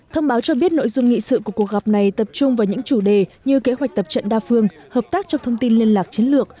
thông báo cho biết nội dung nghị sự của cuộc gặp này tập trung vào những chủ đề như kế hoạch tập trận đa phương hợp tác trong thông tin liên lạc chiến lược